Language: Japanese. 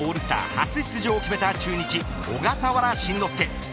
初出場を決めた中日小笠原慎之介。